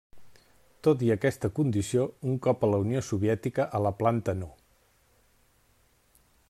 Tot i aquesta condició, un cop a la Unió Soviètica, a la Planta No.